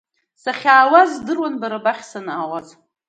Сахьаауаз здыруан бара бахь санаауаз.